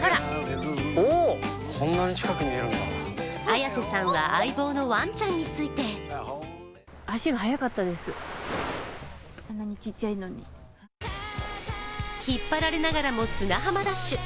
綾瀬さんは、相棒のワンちゃんについて引っ張られながらも砂浜ダッシュ！